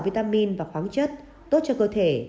vitamin và khoáng chất tốt cho cơ thể